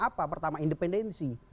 apa pertama independensi